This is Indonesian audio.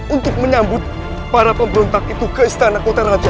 untuk menyambut para pemberontak itu ke istana kota raja